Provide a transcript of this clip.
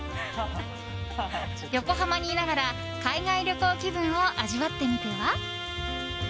横浜にいながら海外旅行気分を味わってみては？